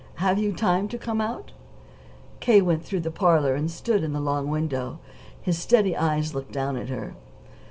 Have you time to come out?" K. went through the parlor and stood in the long window. His steady eyes looked down at her.